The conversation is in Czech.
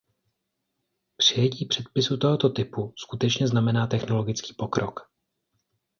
Přijetí předpisu tohoto typu skutečně znamená technologický pokrok.